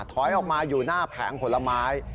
ถอยออกมาอยู่หน้าแผงผลไม้